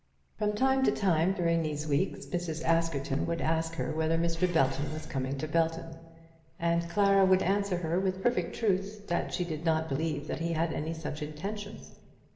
From time to time during these weeks Mrs. Askerton would ask her whether Mr. Belton was coming to Belton, and Clara would answer her with perfect truth that she did not believe that he had any such intention.